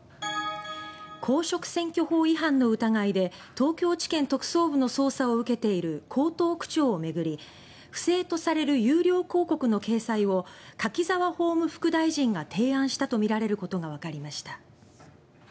公職選挙法違反の疑いで東京地検特捜部の捜査を受けている江東区長を巡り不正とされる有料広告の掲載を柿沢法務副大臣が提案したとみられることがわかりました。